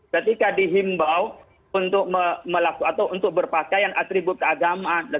ketika dihimbau untuk melakukan atau untuk berpakaian atribut keagamaan